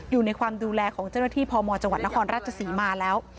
อยู่ในความดูแลของเจ้าหน้าที่พมจังหวัดนครราชศรีมาแล้ว